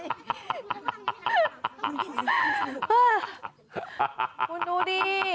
คุณดูดิ